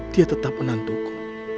dia tetap menantuku